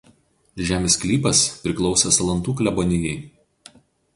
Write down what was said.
Žemės sklypas priklausė Salantų klebonijai.